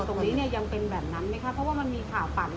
ตรงนี้เนี่ยยังเป็นแบบนั้นไหมคะเพราะว่ามันมีข่าวปั่น